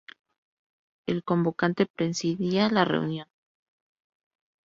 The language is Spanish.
El convocante presidía la reunión.